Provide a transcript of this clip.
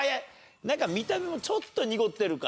なんか見た目もちょっと濁ってるか。